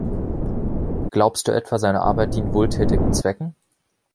Glaubst du etwa, seine Arbeit dient wohltätigen Zwecken?